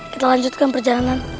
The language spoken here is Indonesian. kita lanjutkan perjalanan